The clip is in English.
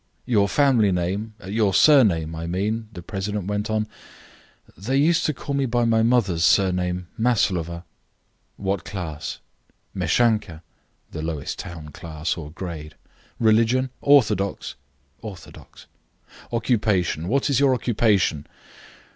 "Your family name your surname, I mean?" the president went on. "They used to call me by my mother's surname, Maslova." "What class?" "Meschanka." [the lowest town class or grade] "Religion orthodox?" "Orthodox." "Occupation. What was your occupation?"